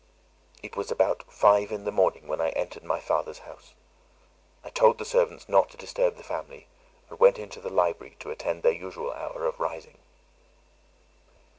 It was about five in the morning when I entered my father's house. I told the servants not to disturb the family, and went into the library to attend their usual hour of rising.